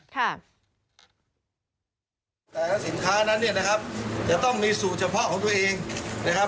แต่ละสินค้านั้นเนี่ยนะครับจะต้องมีสูตรเฉพาะของตัวเองนะครับ